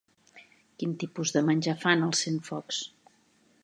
Quin tipus de menjar fan al Centfocs?